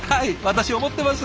私思ってます。